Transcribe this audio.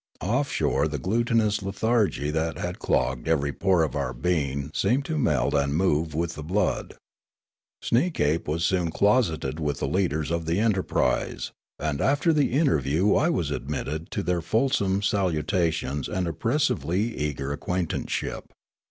Off shore the glutinous lethargy that had clogged every pore of our being seemed to melt and move with the blood. Sneekape was soon closeted with the leaders of the enterprise ; and after the interview I was admitted to their fulsome salutations and oppressively eager ac . quaintanceship.